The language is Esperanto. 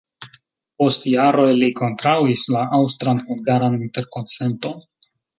Post jaroj li kontraŭis la Aŭstran-hungaran interkonsenton.